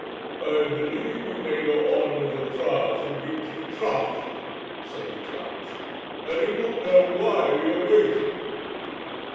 'I believe we may go on with the trial for breach of trust,' said the judge. 'I do not know why we are waiting.'